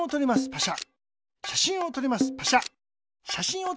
パシャ。